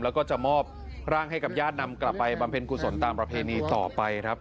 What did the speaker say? แล้วก็จะมอบร่างให้กับญาตินำกลับไปบำเพ็ญกุศลตามประเพณีต่อไปครับ